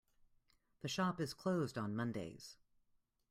The shop is closed on Mondays.